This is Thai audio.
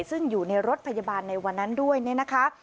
ซึ่งอยู่ในรถพยาบาลในวันนั้นด้วยเนี่ยนะคะ